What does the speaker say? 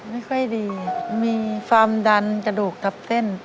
ไม่ค่อยดีมีความดันกระดูกทับเส้น